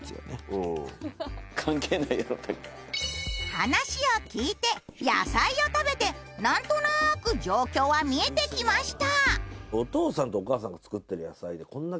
話を聞いて野菜を食べて何となく状況は見えてきました。